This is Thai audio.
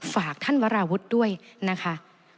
ฝากท่านวราวุฒิด้วยนะคะ